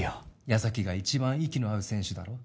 矢崎が一番息の合う選手だろ